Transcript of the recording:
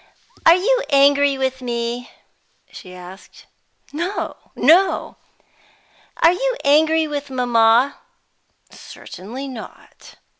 "Are you angry with me?" she asked. "No, no!" "Are you angry with mamma?" "Certainly not."